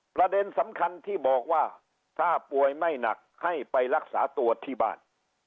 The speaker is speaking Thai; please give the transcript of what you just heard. ประเด็นสำคัญที่บอกว่าถ้าป่วยไม่หนักให้ไปรักษาตัวที่บ้าน